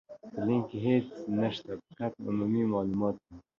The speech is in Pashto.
په لينک کې هيڅ نشته، فقط عمومي مالومات دي.